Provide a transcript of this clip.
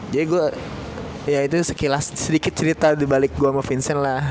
jadi gue ya itu sekilas sedikit cerita dibalik gue sama vincent lah